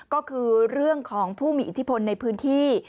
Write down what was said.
ก็คือเรื่องของผู้มีอิทธิพลในพื้นที่